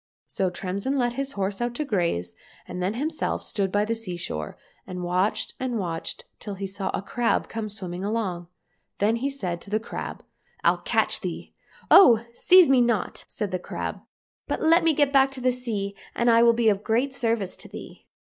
"— So Tremsin let his horse out to graze, and he himself stood by the sea shore, and watched and watched till he saw a crab come swimming along. Then he said to the crab, "I'll catch thee."—*' Oh ! seize me not !" said the crab, " but let me get back into the sea, and I'll be of great service to thee."